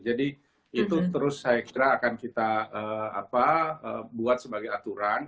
jadi itu terus saya kira akan kita buat sebagai aturan